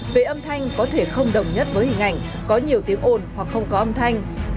về âm thanh có thể không đồng nhất với hình ảnh có nhiều tiếng ồn hoặc không có âm thanh